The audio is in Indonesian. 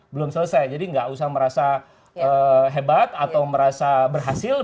belum selesai jadi nggak usah merasa hebat atau merasa berhasil